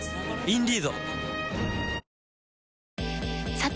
さて！